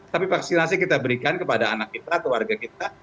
tapi vaksinasi kita berikan kepada anak kita keluarga kita